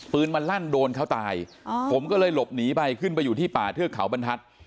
ปืนมันลั่นโดนเขาตายผมก็เลยหลบหนีไปขึ้นไปอยู่ที่ป่าเทือกเขาบรรทัศน์